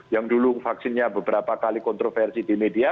yang dulu vaksinnya beberapa kali kontroversi di media